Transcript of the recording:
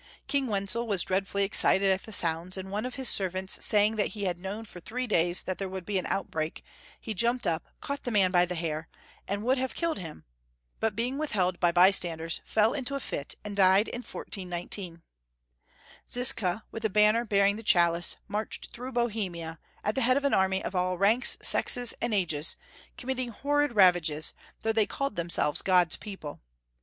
King Wenzel was dreadfully excited at the sounds, and one of his servants saying that he had known for three days that there would be an outbreak, he jumped up, caught the man by the hair, and would have killed him ; but being withheld by bystanders, fell into a fit and died in 1419. Ziska, with a banner bearing the Chalice, marched through Bohemia, at the head of an army of all ranks, sexes, and ages, committing horrid ravages, though they called themselves God's people.